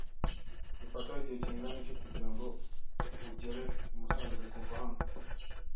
Bifata igihe kingana iki kugirango ugere i Musanze kuva hano?